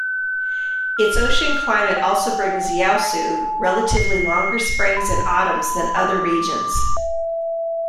Its ocean climate also brings Yeosu relatively longer springs and autumns than other regions.